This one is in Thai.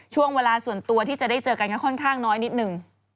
ช่วงเวลาส่วนตัวที่จะได้เจอกันก็ค่อนข้างน้อยนิดหนึ่ง